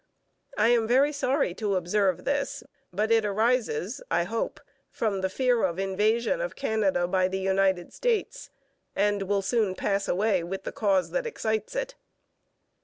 I am very sorry to observe this; but it arises, I hope, from the fear of invasion of Canada by the United States, and will soon pass away with the cause that excites it.